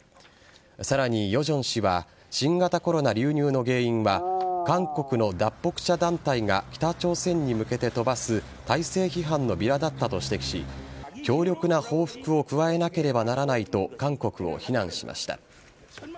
さらに、ヨジョン氏は新型コロナ流入の原因は韓国の脱北者団体が北朝鮮に向けて飛ばす体制批判のビラだったと指摘し強力な報復を加えなければならないと韓国を非難しました。